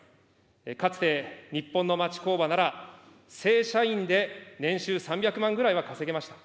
かつて日本の町工場なら、正社員で年収３００万ぐらいは稼げました。